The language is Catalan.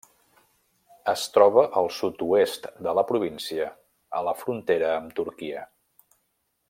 Es troba al sud-oest de la província, a la frontera amb Turquia.